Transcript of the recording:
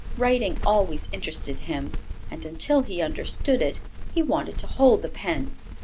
Writing always interested him, and, until he understood it, he wanted to hold the pen.